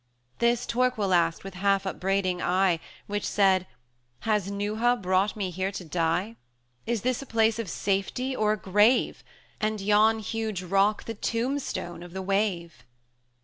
This Torquil asked with half upbraiding eye, Which said "Has Neuha brought me here to die? Is this a place of safety, or a grave, And yon huge rock the tombstone of the wave?"